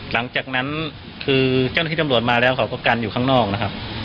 หลังจากนั้นคือเจ้าหน้าที่ตำรวจมาแล้วเขาก็กันอยู่ข้างนอกนะครับ